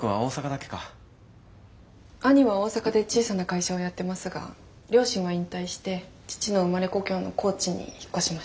兄は大阪で小さな会社をやってますが両親は引退して父の生まれ故郷の高知に引っ越しました。